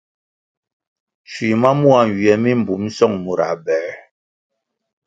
Schui ma mua nywie mi mbum song murãh bĕr.